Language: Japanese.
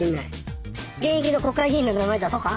現役の国会議員の名前出そうか？